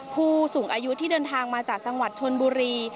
ผู้สูงอายุที่เดินทางมาจากจังหวัดชนบุรี